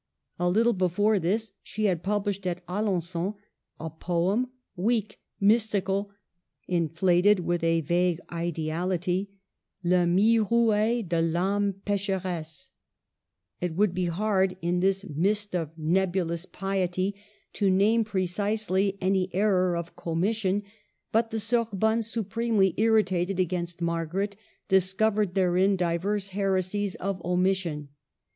A little A before this she had published at Alengon a poem, weak, mystical, inflated with a vague A ideality, —" Le Myrouer de I'Ame Pecheresse." It would be hard, in this mist of nebulous piety, THE SORBONNE. 1 45 to name precisely any error of commission ; but the Sorbonne, supremely irritated against Mar garet, discovered therein divers heresies of omis sion.